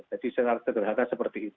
jadi secara sederhana seperti itu